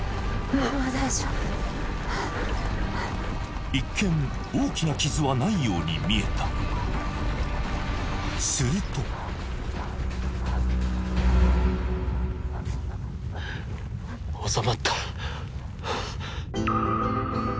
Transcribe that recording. もう大丈夫一見大きな傷はないように見えたすると収まった？